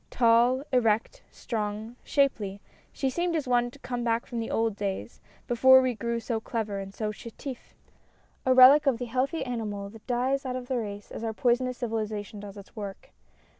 Tall, erect, strong, shapely, she seemed as one come back from the old days, before we all grew so clever and so chetif^ a relic of the healthy animal that dies out of the race as our poisonous civilization does its work.